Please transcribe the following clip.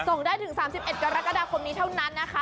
ส่งได้ถึง๓๑กรกฎาคมนี้เท่านั้นนะคะ